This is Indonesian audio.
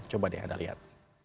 coba deh anda lihat